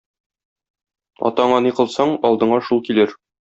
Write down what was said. Атаңа ни кылсаң, алдыңа шул килер.